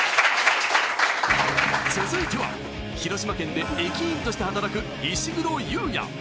続いては、広島県で駅員として働く石黒佑弥。